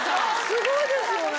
すごいですよね。